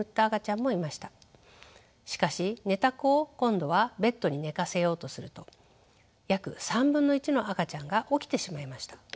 しかし寝た子を今度はベッドに寝かせようとすると約1/3の赤ちゃんが起きてしまいました。